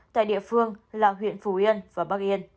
tại địa phương là huyện phù yên và bắc yên